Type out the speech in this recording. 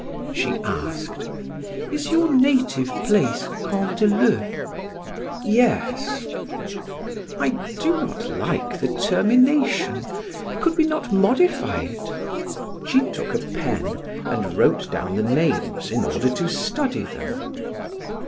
She asked: "Is your native place Canteleu?" "Yes." "I do not like the termination. Could we not modify it?" She took a pen and wrote down the names in order to study them.